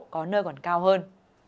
có nơi còn cao hơn